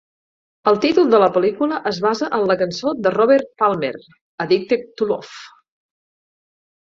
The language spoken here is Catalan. El títol de la pel·lícula es basa en la cançó de Robert Palmer "Addicted to Love".